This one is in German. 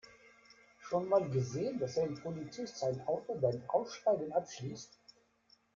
Schon mal gesehen, dass ein Polizist sein Auto beim Aussteigen abschließt?